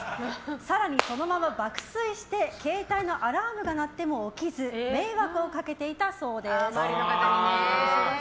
更にそのまま爆睡して携帯のアラームが鳴っても起きず迷惑をかけいたそうです。